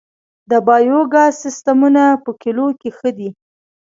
د بایو ګاز سیستمونه په کلیو کې ښه دي